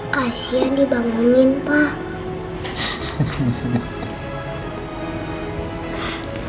kasian dibangunin pak